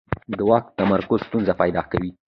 د واک تمرکز ستونزې پیدا کوي